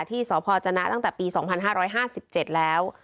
ที่สอบพอร์จนะตั้งแต่ปีสองพันห้าร้อยห้าสิบเจ็ดแล้ว